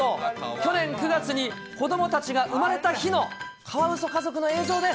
去年９月に子どもたちが生まれた日のカワウソ家族の映像です。